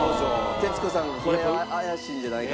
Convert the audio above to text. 徹子さんがこれは怪しいんじゃないかと。